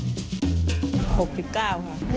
นึกถึงใจสก่าว